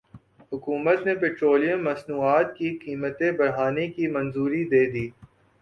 حکومت نے پیٹرولیم مصنوعات کی قیمتیں بڑھانے کی منظوری دے دی